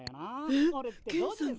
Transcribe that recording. えっケンさん